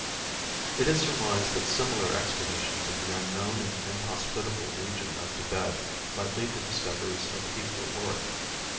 It is surmised that similar expeditions in the unknown and inhospitable region of Tibet might lead to discoveries of equal worth.